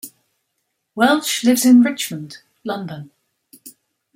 Welch lives in Richmond, London.